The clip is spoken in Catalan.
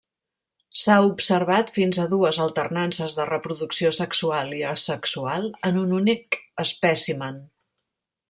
S'ha observat fins a dues alternances de reproducció sexual i asexual en un únic espècimen.